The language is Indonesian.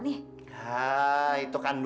nah itu kan dua